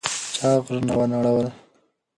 چا غرونه ونړول؟